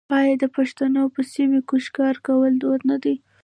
آیا د پښتنو په سیمو کې ښکار کول دود نه دی؟